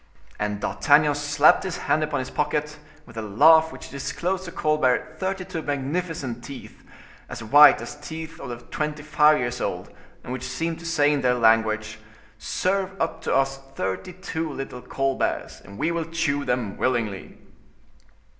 And D'Artagnan slapped his hand upon his pocket, with a laugh which disclosed to Colbert thirty two magnificent teeth, as white as teeth of twenty five years old, and which seemed to say in their language: "Serve up to us thirty two little Colberts, and we will chew them willingly."